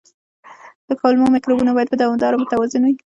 د کولمو مایکروبیوم باید په دوامداره توګه متوازن وي.